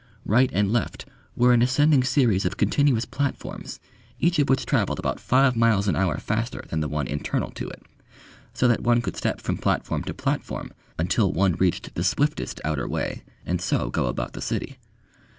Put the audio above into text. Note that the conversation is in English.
Right and left were an ascending series of continuous platforms each of which travelled about five miles an hour faster than the one internal to it, so that one could step from platform to platform until one reached the swiftest outer way and so go about the city.